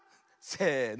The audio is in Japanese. せの。